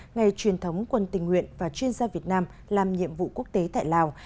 ngày truyền thống quân tình nguyện và chuyên gia việt nam làm nhiệm vụ quốc tế tại lào